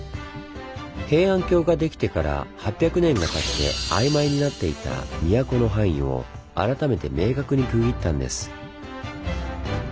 平安京ができてから８００年がたって曖昧になっていた都の範囲を改めて明確に区切ったんです。